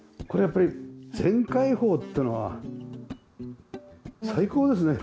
これやっぱり全開放っていうのは最高ですね。